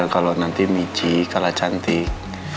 kalau nanti michi kalah cantik